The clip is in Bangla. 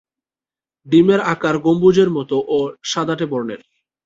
ডিমের আকার গম্বুজের মতো ও সাদাটে বর্নের।